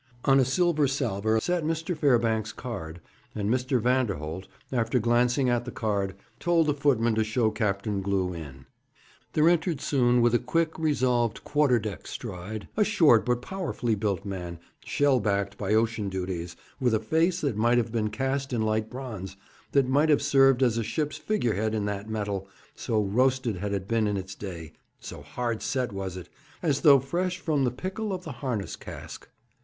On a silver salver lay Mr. Fairbanks' card, and Mr. Vanderholt, after glancing at the card, told the footman to show Captain Glew in. There entered soon, with a quick, resolved, quarter deck stride, a short but powerfully built man, shell backed by ocean duties, with a face that might have been cast in light bronze, that might have served as a ship's figure head in that metal, so roasted had it been in its day, so hard set was it, as though fresh from the pickle of the harness cask.